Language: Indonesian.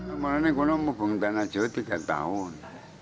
awalnya saya mau ketemu tana jeho tiga tahun